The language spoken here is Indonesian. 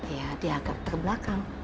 ya diagak terbelakang